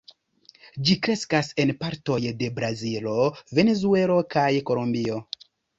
Ĝi kreskas en partoj de Brazilo, Venezuelo kaj Kolombio.